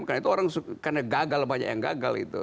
karena itu orang suka karena gagal banyak yang gagal itu